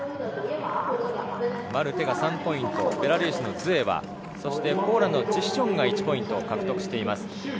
マルテが３ポイント、ベラルーシのズエワ、そしてポーランドのチシュチョンが１ポイント獲得しています。